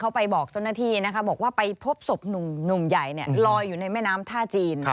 เขาไปบอกเจ้าหน้าทีบอกว่าไปพบที่งานหลายเลื่อน้ำอยู่ในแม่น้ำท่าจีน